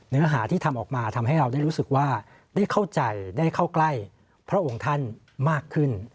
เนื้อหาที่ทำออกมาทำให้เราได้รู้สึกว่าได้เข้าใจได้เข้าใกล้พระองค์ท่านมากขึ้น